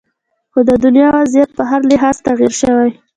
خو د دنیا وضعیت په هر لحاظ تغیر شوې